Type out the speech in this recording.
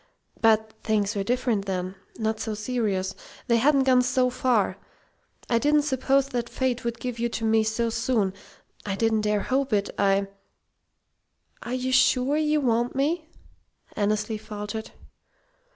But things were different then not so serious. They hadn't gone so far. I didn't suppose that Fate would give you to me so soon. I didn't dare hope it. I " "Are you sure you want me?" Annesley faltered.